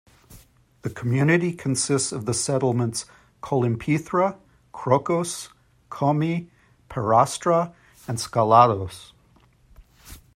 The community consists of the settlements Kolympithra, Krokos, Komi, Perastra and Skalados.